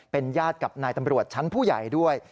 เป็นญาติกับนายตำรวจชั้นผู้ใหญ่ด้วย